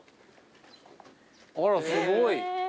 あらすごい。